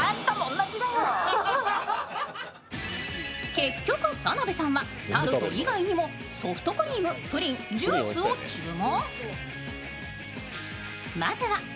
結局、田辺さんはタルト以外にもソフトクリーム、プリン、ジュースを注文。